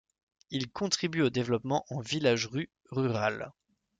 Il contribue au développement en village-rue rural.